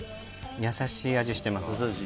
優しい味してます